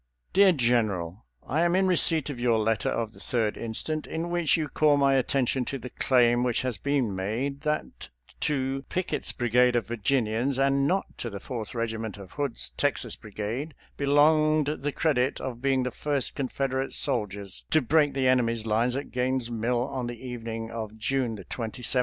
" Deae Gbneeal : I am in receipt of your letter of 3d instant, in which you call my atten tion to the claim which has been made that to Pickett's brigade of Virginians, and not to the Fourth Regiment of Hood's Texas Brigade, be longed the credit of being the first Confederate soldiers to break the enemy's lines at Gaines' Mill on the evening of June 27, 1862.